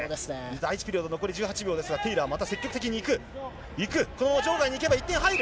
第１ピリオド、残り１８秒ですが、テイラー、また積極的にいく、いく、場外にいけば１点入る。